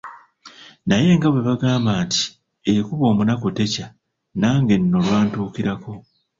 Naye nga bwe bagamba nti; "ekuba omunaku tekya." nange nno lwantuukirako.